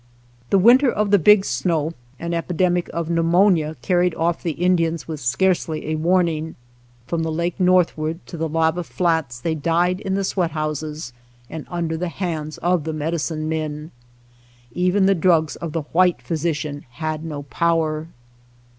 The winter of the Big Snow an epidemic of pneumonia carried off the Indians with scarcely a warning; from the lake northward to the lava flats they died in the sweat houses, and under the hands of the medicine men. Even the drugs of the white physician had no power.